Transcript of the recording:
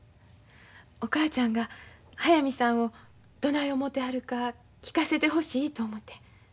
お母ちゃんが速水さんをどない思てはるか聞かせてほしいと思て。